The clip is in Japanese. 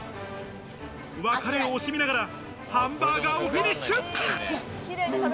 別れを惜しみながらハンバーガーをフィニッシュ。